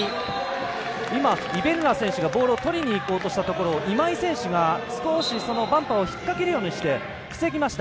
イベルナ選手、ボールをとりにいこうとしたところを今井選手が少しそのバンパーを引っ掛けるように防ぎました。